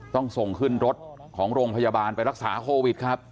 ต้องส่งขึ้นรถของโรงพยาบาลไปรักษาโควิดครับ